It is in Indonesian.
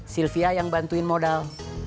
sylvia yang bantuin modal